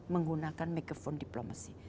menggunakan megaphone diplomasi